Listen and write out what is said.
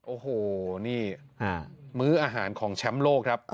โอ้โหนี่มื้ออาหารของแชมป์โลกครับ